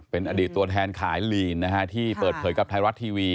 เป็นอดีตตัวแทนขายลีนนะฮะที่เปิดเผยกับไทยรัฐทีวี